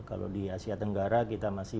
kalau di asia tenggara kita masih